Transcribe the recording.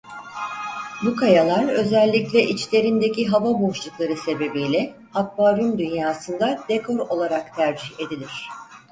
Bu kayalar özellikle içlerindeki hava boşlukları sebebiyle akvaryum dünyasında dekor olarak tercih edilir.